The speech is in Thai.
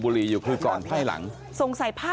เจ้าแม่น้ำเจ้าแม่น้ำ